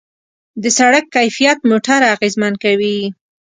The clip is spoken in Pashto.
د سړک کیفیت موټر اغېزمن کوي.